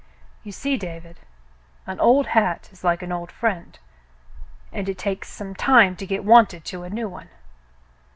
"You see, David, an old hat is like an old friend, and it takes some time to get wonted to a new one."